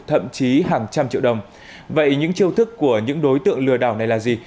thậm chí hàng trăm triệu đồng vậy những chiêu thức của những đối tượng lừa đảo này là gì